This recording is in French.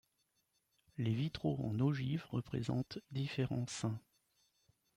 Les vitraux en ogive représentent différents saints.